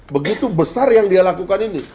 begitu besar yang dia lakukan ini